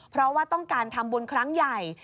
เพราะว่าต้องการทำบุญครั้งใหญ่